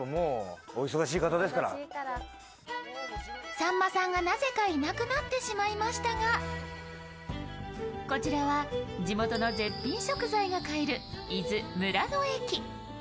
さんまさんがなぜかいなくなってしまいましたが、こちらは地元の絶品食材が買える伊豆・村の駅。